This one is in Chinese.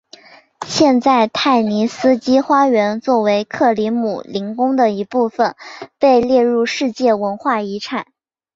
现在泰尼斯基花园作为克里姆林宫的一部分被列入世界文化遗产。